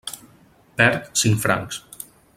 Perd cinc francs.